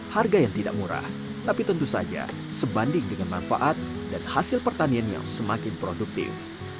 harga yang tidak murah tapi tentu saja sebanding dengan manfaat dan hasil pertanian yang semakin produktif